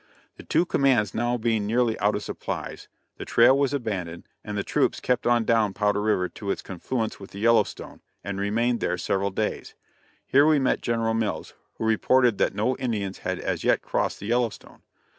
The two commands now being nearly out of supplies, the trail was abandoned, and the troops kept on down Powder river to its confluence with the Yellowstone, and remained there several days. Here we met General Mills, who reported that no Indians had as yet crossed the Yellowstone.